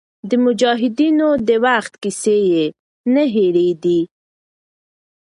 د مجاهدینو د وخت کیسې یې نه هېرېدې.